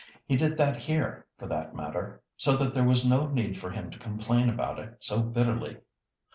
He did that here, for that matter, so that there was no need for him to complain about it so bitterly.